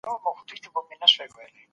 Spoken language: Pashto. ويښ زلميانو د ملت د جوړولو لپاره هڅې وکړې.